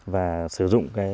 và sử dụng